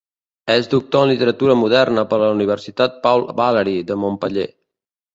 És doctor en Literatura Moderna per la Universitat Paul Valéry de Montpeller.